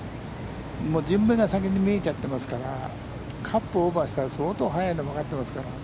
もう順目が先に見えちゃってますから、カップをオーバーしたら相当速いのは分かってますから。